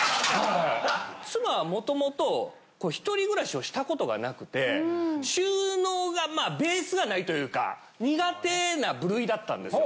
妻は元々一人暮らしをしたことがなくて収納がまあベースがないというか苦手な部類だったんですよ。